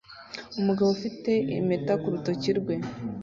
Umugabo ufite impeta ku rutoki rwe